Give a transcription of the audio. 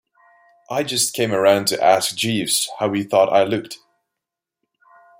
I just came round to ask Jeeves how he thought I looked.